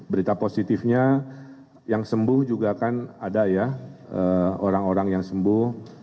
berita positifnya yang sembuh juga kan ada ya orang orang yang sembuh